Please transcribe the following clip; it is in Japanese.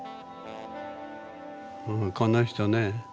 この人ね